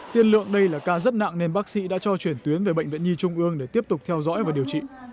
tiên lượng đây là ca rất nặng nên bác sĩ đã cho chuyển tuyến về bệnh viện nhi trung ương để tiếp tục theo dõi và điều trị